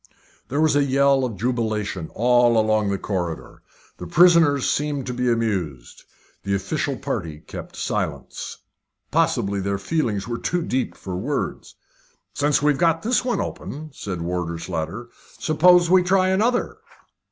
There was a yell of jubilation all along the corridor. The prisoners seemed to be amused. The official party kept silence. Possibly their feelings were too deep for words. "Since we've got this one open," said Warder Slater, "suppose we try another?"